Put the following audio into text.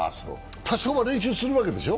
多少は練習するわけでしょ？